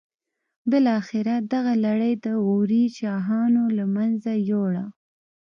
بالاخره دغه لړۍ د غوري شاهانو له منځه یوړه.